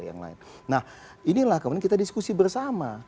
nah inilah kemudian kita diskusi bersama